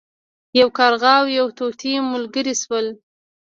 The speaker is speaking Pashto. یو کارغه او یو طوطي ملګري شول.